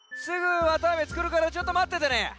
すぐわたあめつくるからちょっとまっててね。